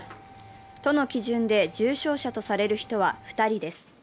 都の基準で重症者とされる人は２人です。